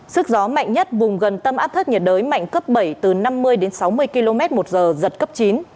sức gió mạnh nhất vùng gần tâm áp thấp nhiệt đới mạnh cấp bảy từ năm mươi đến sáu mươi km một giờ giật cấp chín